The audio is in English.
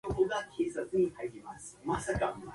There is small bridge across the stream that empties the lake.